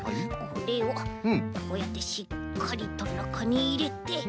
これをこうやってしっかりとなかにいれて。